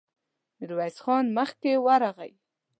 ميرويس خان مخکې ورغی.